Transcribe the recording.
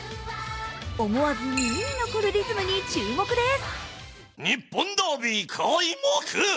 思わず耳に残るリズムに注目です。